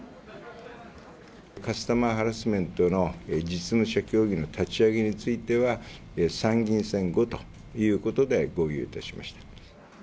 カスタマーハラスメントの実務者協議の立ち上げについては、参議院選後ということで合意をいたしました。